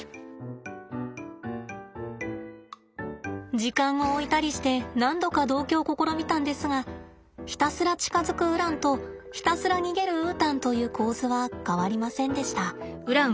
時間を置いたりして何度か同居を試みたんですがひたすら近づくウランとひたすら逃げるウータンという構図は変わりませんでした。